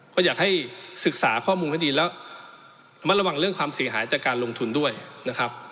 ก็อยากให้ศึกษาข้อมูลให้ดีแล้วมาระวังเรื่องความเสียหายจากการลงทุนด้วยนะครับ